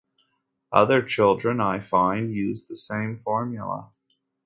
Other children, I find, use the same formula.